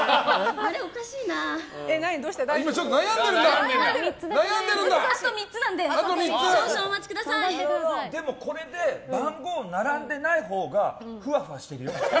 あと３つなのででもこれで番号が並んでないほうがふわふわしているよ。